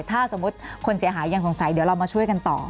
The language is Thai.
ถ้าสมมุติคนเสียหายยังสงสัยเดี๋ยวเรามาช่วยกันต่อ